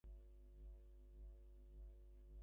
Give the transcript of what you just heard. Pump ফেটে যাচ্ছে!